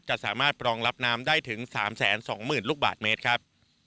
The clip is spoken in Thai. จะสามารถรองรับน้ำได้ถึง๓๒๐๐๐ลูกบาทเมตรครับ